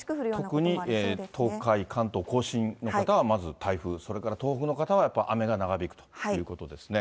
特に東海、関東甲信の方はまず台風、それから東北の方はやっぱり雨が長引くということですね。